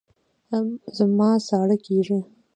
زما ساړه کېږي